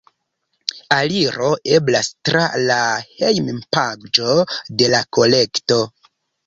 Aliro eblas tra la hejmpaĝo de la kolekto.